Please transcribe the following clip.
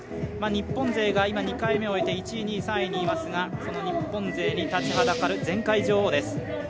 日本勢が今２回目を終えて１位、２位、３位にいますがその日本勢に立ちはだかる前回女王です。